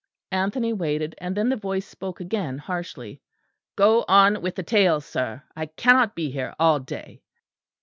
Anthony waited, and then the voice spoke again harshly. "Go on with the tale, sir. I cannot be here all day."